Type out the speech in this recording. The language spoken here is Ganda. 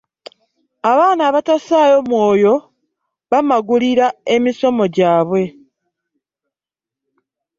Abaana abatasaayo mwoyo bamangulira emisomo gyabwe.